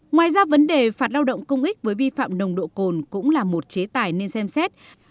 ngoài ra vấn đề phạt lao động công ích với vi phạm nồng độ cồn cũng là một chế tài nên xem xét